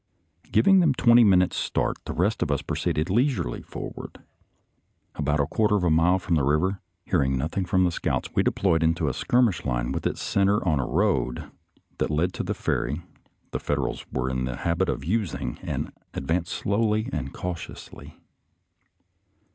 Giving them twenty minutes start, the rest of us proceeded leisurely forward. About a quarter of a mile from the river, hearing nothing from the scouts, we deployed into a skir mish line with its center on a road that led to the ferry the Federals were in the habit of using, and advanced slowly and cautiously.